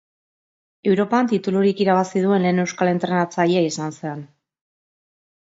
Europan titulurik irabazi duen lehen euskal entrenatzailea izan zen.